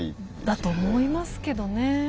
だと思いますけどね。